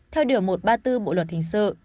theo điều một trăm ba mươi bốn bộ luật hình sự